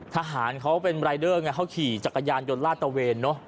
ทหารเขาเป็นรายเดอร์ไงเขาขี่จักรยานยนต์ลาดตะเวนเนอะ